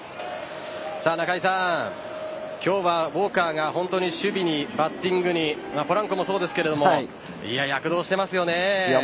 中居さん、今日はウォーカーが本当に守備にバッティングにポランコもそうですが躍動してますよね。